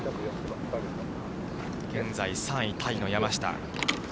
現在３位タイの山下。